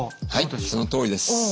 はいそのとおりです。